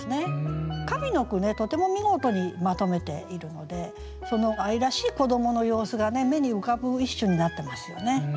上の句ねとても見事にまとめているのでその愛らしい子どもの様子が目に浮かぶ一首になってますよね。